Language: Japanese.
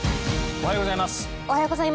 おはようございます。